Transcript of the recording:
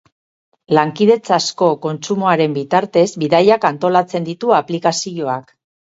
Lankidetzazko kontsumoaren bitartez, bidaiak antolatzen ditu aplikazioak.